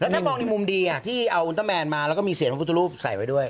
ถ้ามองในมุมดีที่เอาอุณเตอร์แมนมาแล้วก็มีเสียงพระพุทธรูปใส่ไว้ด้วย